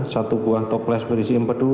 satu buah toples berisi empedu